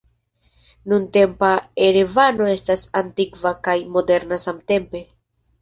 Nuntempa Erevano estas antikva kaj moderna samtempe.